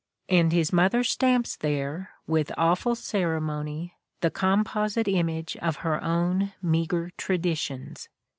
And his mother stamps there, with awful ceremony, the com posite image of her own meager traditions.